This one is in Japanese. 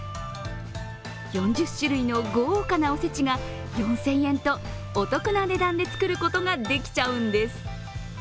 ４０種類の豪華なお節が４０００円とお得な値段で作ることができちゃうんです。